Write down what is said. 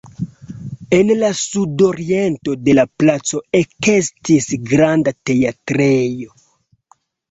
En la sudoriento de la placo ekestis granda teatrejo.